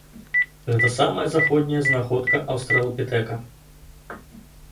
Гэта самая заходняя знаходка аўстралапітэка.